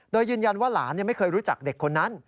โดยยืนยันว่าหลานไม่เคยรู้จักเด็กคนนั้น